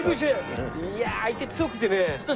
いや相手強くてね。